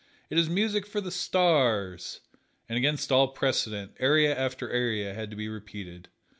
"It is music for the stars," and against all precedent aria after aria had to be repeated.